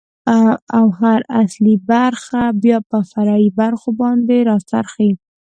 ، او هر اصلي برخه بيا په فرعي برخو باندې را څرخي.